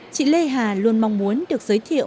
chị lê hà luôn mong muốn được giới thiệu